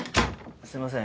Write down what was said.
すいません